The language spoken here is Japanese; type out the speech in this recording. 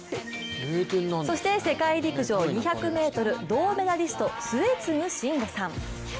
そして世界陸上２００ｍ銅メダリスト末續慎吾さん。